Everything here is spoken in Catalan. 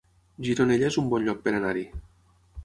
Gironella es un bon lloc per anar-hi